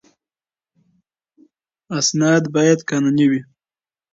اسناد باید قانوني وي.